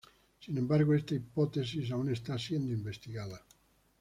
Sin embargo, esta hipótesis aún está siendo investigada.